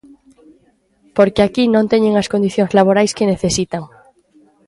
Porque aquí non teñen as condicións laborais que necesitan.